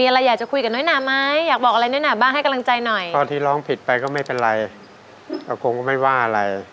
รู้สึกโล่งนะคะ